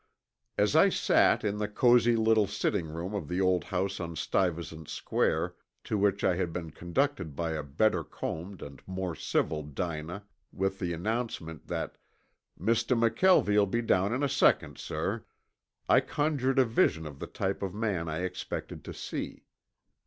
As I sat in the cosy little sitting room of the old house on Stuyvesant Square to which I had been conducted by a better combed and more civil Dinah with the announcement that "Mistuh McKelvie'll be down in a secun', sah," I conjured a vision of the type of man I expected to see.